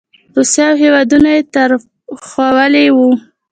روسیه او هېوادونه یې ترهولي وو.